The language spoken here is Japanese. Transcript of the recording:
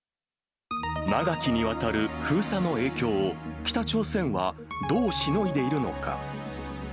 長きにわたる封鎖の影響を、北朝鮮はどうしのいでいるのか。